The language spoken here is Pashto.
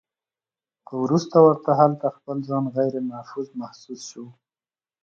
خو وروستو ورته هلته خپل ځان غيرمحفوظ محسوس شو